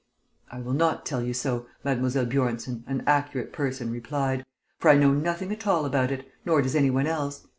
"I will not tell you so," Mlle. Bjornsen, an accurate person, replied, "for I know nothing at all about it, nor does any one else.